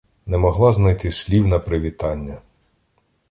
Не могла знайти слів на привітання.